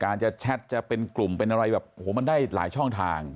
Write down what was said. จะแชทจะเป็นกลุ่มเป็นอะไรแบบโอ้โหมันได้หลายช่องทาง